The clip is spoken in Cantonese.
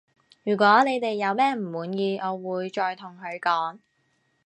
如果你哋有咩唔滿意我會再同佢講